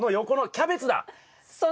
キャベツ！